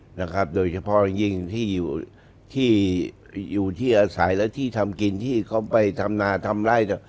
โดยเฉพาะยิ่งที่อยู่ที่อาศัยและที่ทำกินที่เขาไปทำนาทำไร่